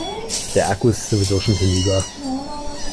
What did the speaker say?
Der Akku ist sowieso schon hinüber.